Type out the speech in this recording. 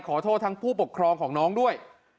ขอโทษทั้งผู้ปกครองของน้องด้วย